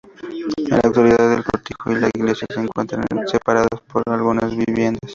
En la actualidad, el cortijo y la Iglesia se encuentran separados por algunas viviendas.